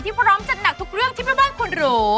ที่พร้อมจัดหนักทุกเรื่องที่เป็นบ้านคุณหรู